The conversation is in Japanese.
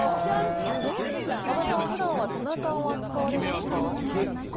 馬場さんは普段はツナ缶は使われますか？